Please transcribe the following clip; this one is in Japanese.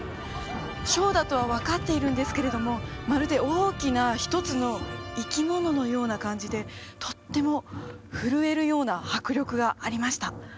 ショーだとは分かっているんですけれどもまるで大きな一つの生き物のような感じでとっても震えるような迫力がありました